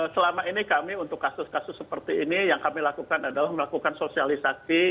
selama ini kami untuk kasus kasus seperti ini yang kami lakukan adalah melakukan sosialisasi